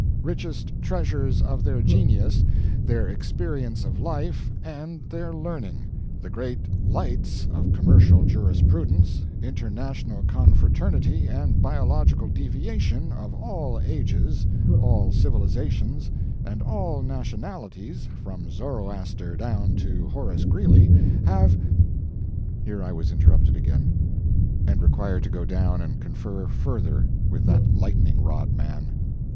] richest treasures of their genius, their experience of life, and their learning. The great lights of commercial jurisprudence, international confraternity, and biological deviation, of all ages, all civilizations, and all nationalities, from Zoroaster down to Horace Greeley, have [Here I was interrupted again, and required to go down and confer further with that lightning rod man.